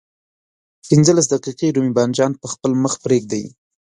پنځلس دقيقې رومي بانجان په خپل مخ پرېږدئ.